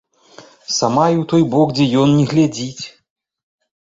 Сама і ў той бок, дзе ён, не глядзіць.